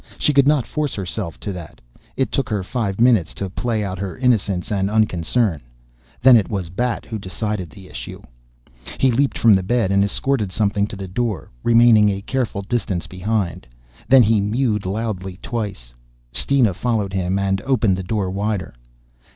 She could not force herself to that. It took her five minutes to play out her innocence and unconcern. Then it was Bat who decided the issue. He leaped from the bed and escorted something to the door, remaining a careful distance behind. Then he mewed loudly twice. Steena followed him and opened the door wider.